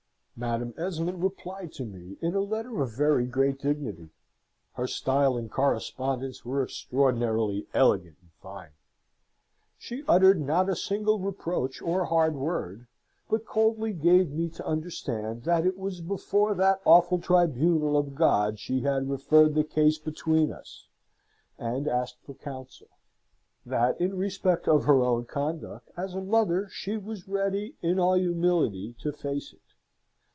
Madam Esmond replied to me in a letter of very great dignity (her style and correspondence were extraordinarily elegant and fine). She uttered not a single reproach or hard word, but coldly gave me to understand that it was before that awful tribunal of God she had referred the case between us, and asked for counsel; that, in respect of her own conduct, as a mother, she was ready, in all humility, to face it.